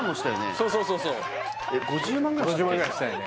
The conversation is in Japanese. そうそうそうそう５０万ぐらいしたよね